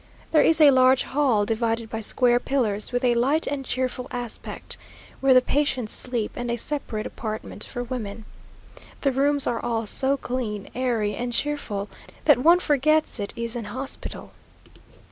There is a large hall, divided by square pillars, with a light and cheerful aspect, where the patients sleep; and a separate apartment for women. The rooms are all so clean, airy, and cheerful, that one forgets it is an hospital.